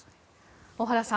小原さん